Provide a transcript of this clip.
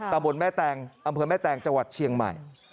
ตะบนแม่แตงอำเภอแม่แตงจังหวัดเชียงใหม่